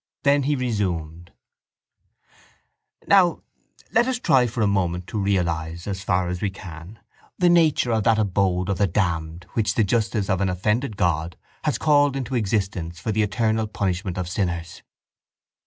Then he resumed: —Now let us try for a moment to realise, as far as we can, the nature of that abode of the damned which the justice of an offended God has called into existence for the eternal punishment of sinners.